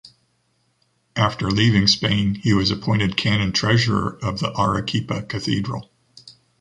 After leaving Spain, he was appointed canon treasurer of the Arequipa cathedral.